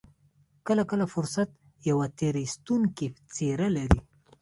کله کله فرصت يوه تېر ايستونکې څېره لري.